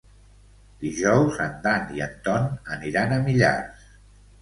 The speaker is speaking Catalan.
Dijous en Dan i en Ton aniran a Millars.